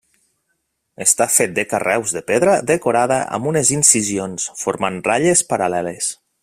Està fet de carreus de pedra decorada amb unes incisions, formant ratlles paral·leles.